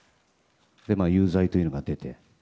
有罪というのが出て。